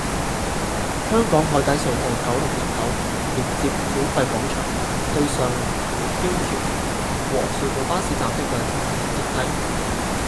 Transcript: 香港海底隧道九龍入口連接繳費廣場對上行人天橋和隧道巴士站的兩條行人電梯